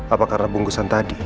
apa karena bungkusan tadi